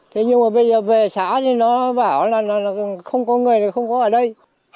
thế nhưng mà bây giờ về xã thì nó bảo là không có người là không có ở đây